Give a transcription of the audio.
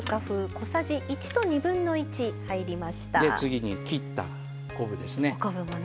次に切った昆布ですね。